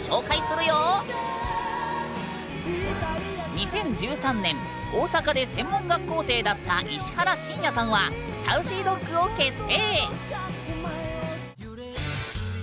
２０１３年大阪で専門学校生だった石原慎也さんはＳａｕｃｙＤｏｇを結成。